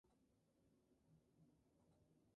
Actualmente es un lugar casi despoblado.